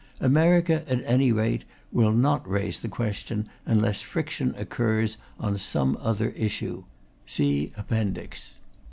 America, at any rate, will not raise the question unless friction occurs on some other issue. (See Appendix.)